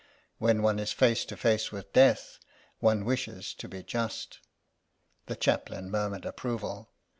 When one is face to face with Death one wishes to be just." The Chaplain murmured approval.